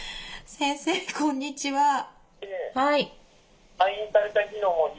先生こんにちは。